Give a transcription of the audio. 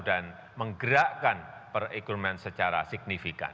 dan menggerakkan perekonomian secara signifikan